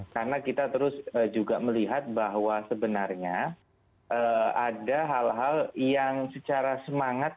karena kita terus juga melihat bahwa sebenarnya ada hal hal yang secara semangat